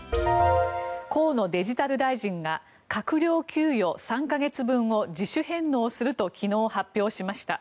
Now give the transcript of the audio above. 河野デジタル大臣が閣僚給与３か月分を自主返納すると昨日、発表しました。